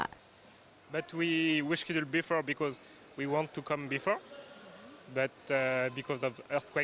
kembali dari empat belas agustus tersebut